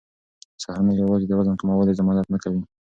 سهارنۍ یوازې د وزن کمولو ضمانت نه کوي.